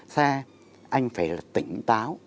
xe anh phải là tỉnh táo